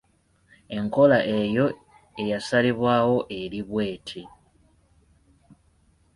Enkola eyo eyasalibwawo eri bw’eti: